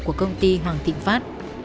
của công ty hoàng thịnh phát